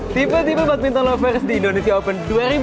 tipe tipe badminton lovers di indonesia open dua ribu dua puluh tiga